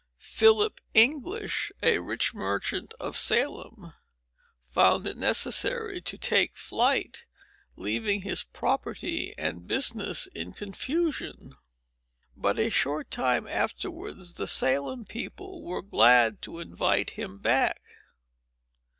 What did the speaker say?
Philip English, a rich merchant of Salem, found it necessary to take flight, leaving his property and business in confusion. But a short time afterwards, the Salem people were glad to invite him back.